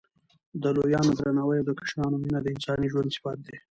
د لویانو درناوی او د کشرانو مینه د انساني ژوند صفت دی.